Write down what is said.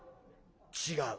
「違う。